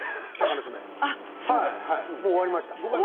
もう終わりました。